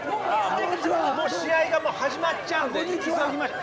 もう試合が始まっちゃうんで急ぎましょ。